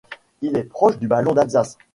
Il est proche du Ballon d'Alsace.